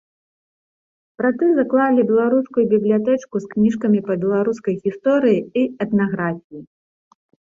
Браты заклалі беларускую бібліятэчку з кніжкамі па беларускай гісторыі і этнаграфіі.